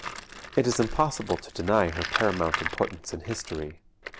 It is impossible to deny her paramount importance in history.